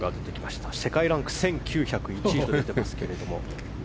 世界ランク１９０１位と出ていますが。